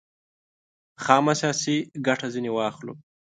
خامه سیاسي ګټه ځنې واخلو.